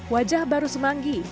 wajah baru semanggi